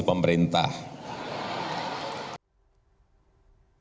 di kesehatan cara huth golkar